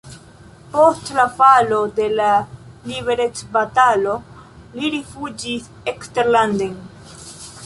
Post la falo de la liberecbatalo li rifuĝis eksterlanden.